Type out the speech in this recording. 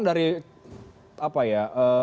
dari apa ya